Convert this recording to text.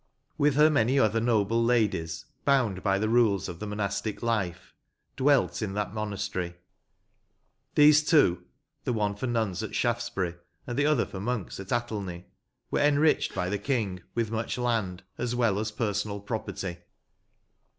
With her many other noble ladies, bound by the rules of the monastic life, dwelt in that monastery. These two (the one for nuns at Shaftsbury, and the other for monks at Athelney) were enriched by the King with much land, as well as personal property."